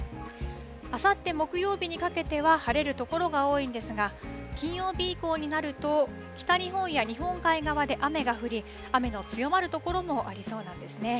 あさって木曜日にかけては晴れる所が多いんですが、金曜日以降になると、北日本や日本海側で雨が降り、雨の強まる所もありそうなんですね。